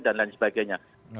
dan lain sebagainya